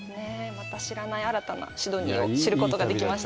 また知らない新たなシドニーを知ることができました。